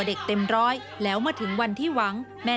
จึงเผยแพร่คลิปนี้ออกมา